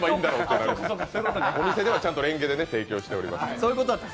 お店ではちゃんとれんげで提供しています。